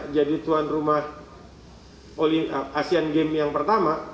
jadi tuan rumah asean games yang pertama